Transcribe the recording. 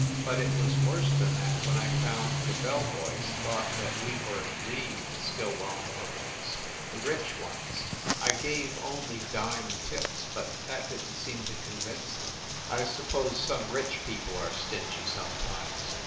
But it was worse than that when I found the bell boys thought that we were the Stillwell Morgans the rich ones. I gave only dime tips, but that didn t seem to convince them. I suppose some rich people are stingy sometimes.